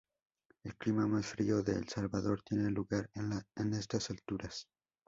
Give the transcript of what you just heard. El clima más frío de El Salvador tiene lugar en estas alturas.